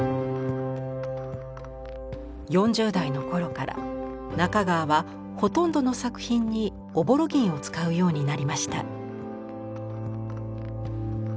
４０代の頃から中川はほとんどの作品に朧銀を使うようになりました。